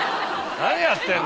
何やってんの。